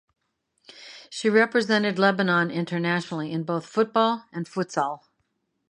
She represented Lebanon internationally in both football and futsal.